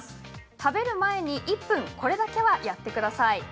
食べる前に１分これだけは、やってください。